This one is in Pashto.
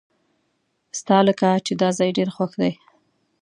ستالکه چې داځای ډیر خوښ دی .